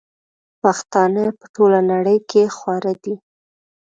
پښتانه په ټوله نړئ کي خواره دي